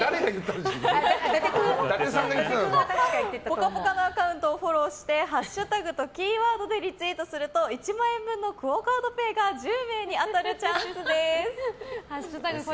「ぽかぽか」のアカウントをフォローしてハッシュタグとキーワードでリツイートすると１万円分のＱＵＯカードＰａｙが１０名に当たるチャンスです。